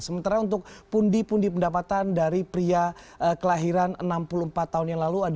sementara untuk pundi pundi pendapatan dari pria kelahiran enam puluh empat tahun yang lalu